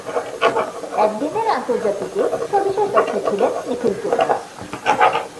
একদিনের আন্তর্জাতিকে সবিশেষ দক্ষ ছিলেন নিখিল চোপড়া।